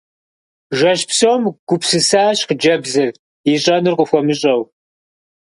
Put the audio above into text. Жэщ псом гупсысащ хъыджэбзыр, ищӀэнур къыхуэмыщӀэу.